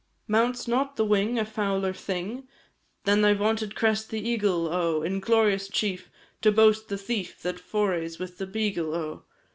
Mounts not the wing a fouler thing, Than thy vaunted crest, the eagle, O! Inglorious chief! to boast the thief, That forays with the beagle, O!